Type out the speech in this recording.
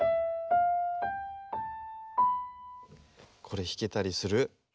これひけたりする？